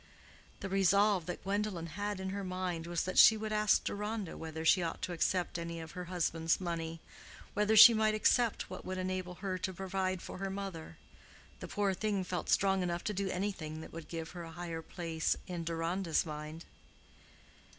The resolve that Gwendolen had in her mind was that she would ask Deronda whether she ought to accept any of her husband's money—whether she might accept what would enable her to provide for her mother. The poor thing felt strong enough to do anything that would give her a higher place in Deronda's mind.